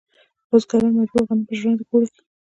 بزګران مجبور ول غنم په ژرندو کې اوړه کړي.